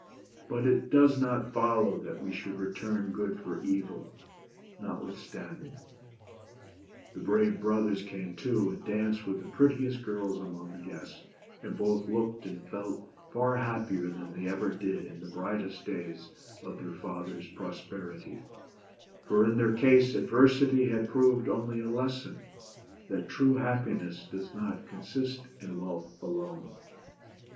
But it does not follow that we should return good for evil, notwith standing ! The brave brothers came too, and danced with the prettiest girls among the guests ; and both looked and felt far happier than they ever did in the brightest days of their father's pros perity ; for in their case adversity had proved only a lesson, that true happiness does not consist in wealth alone.